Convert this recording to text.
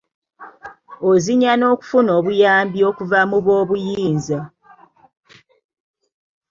Ozinya n’okufuna obuyambi okuva mu boobuyinza.